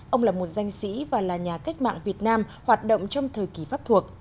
ông là một danh sĩ và là nhà cách mạng việt nam hoạt động trong thời kỳ pháp thuộc